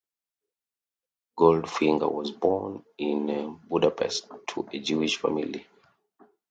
Goldfinger was born in Budapest to a Jewish family.